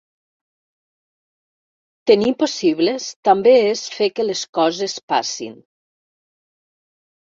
Tenir possibles també és fer que les coses passin.